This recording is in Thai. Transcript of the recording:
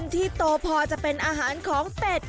ที่โตพอจะเป็นอาหารของเป็ด